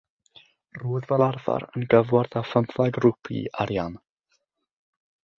Roedd fel arfer yn gyfwerth â phymtheg rwpî arian.